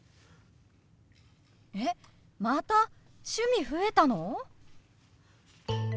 えっまた趣味増えたの！？